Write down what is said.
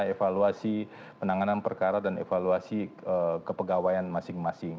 evaluasi penanganan perkara dan evaluasi kepegawaian masing masing